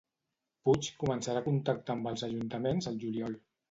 Puig començarà a contactar amb els ajuntaments al juliol?